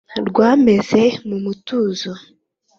rwameze mu mutuzo